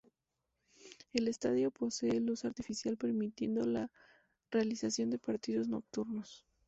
El estadio posee luz artificial, permitiendo la realización de partidos nocturnos.